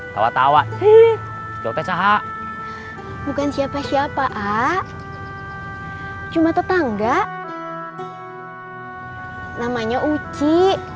tawa tawa ih jawabnya sahak bukan siapa siapa ah cuma tetangga namanya uci